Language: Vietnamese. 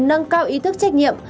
nâng cao ý thức trách nhiệm